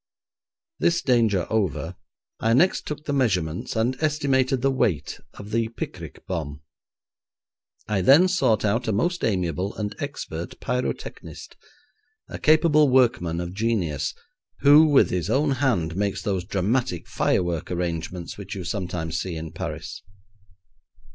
This danger over, I next took the measurements, and estimated the weight, of the picric bomb. I then sought out a most amiable and expert pyrotechnist, a capable workman of genius, who with his own hand makes those dramatic firework arrangements which you sometimes see in Paris.